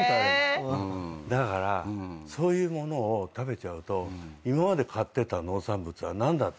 だからそういう物を食べちゃうと今まで買ってた農産物は何だった？ってことになる。